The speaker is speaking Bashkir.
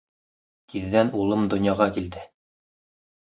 Тиҙҙән улым донъяға килде.